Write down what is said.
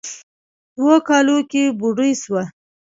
دوو کالو کې بوډۍ سوه.